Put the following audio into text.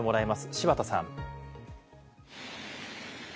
柴田さん。